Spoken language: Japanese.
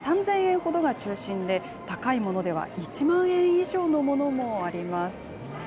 価格帯は３０００円ほどが中心で、高いものでは１万円以上のものもあります。